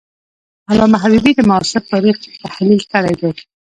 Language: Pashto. علامه حبیبي د معاصر تاریخ تحلیل کړی دی.